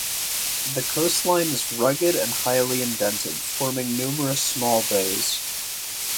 The coastline is rugged and highly indented, forming numerous small bays.